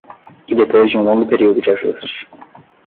E depois de um longo período de ajuste